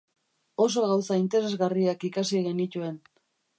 Oso gauza interesgarriak ikasi genituen.